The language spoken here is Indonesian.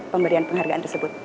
pemberian penghargaan tersebut